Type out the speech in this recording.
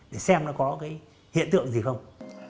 để xem nó có cái hiện tượng gì không